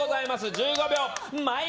１５秒。